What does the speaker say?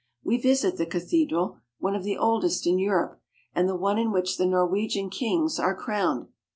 We visit the cathedral, one of the oldest in Europe, and the one in which the Nor wegian kings are crowned.